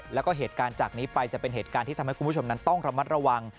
แล้วก็เหตุการณ์จากนี้ไปจะเป็นเหตุการณ์ที่ทำให้คุณผู้ชมนั้นต้องระมัดระวัง